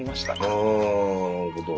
あなるほど。